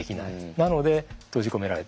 なので閉じ込められてしまう。